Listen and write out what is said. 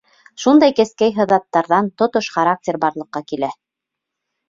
Шундай кескәй һыҙаттарҙан тотош характер барлыҡҡа килә.